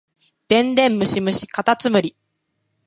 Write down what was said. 電電ムシムシかたつむり